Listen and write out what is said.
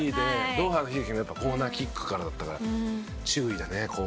ドーハの悲劇もコーナーキックからだったから。